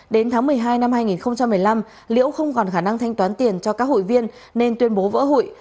đến tháng một mươi hai năm hai nghìn một mươi năm liễu không còn khả năng thanh toán tiền cho các hụi viên nên tuyên bố vỡ hụi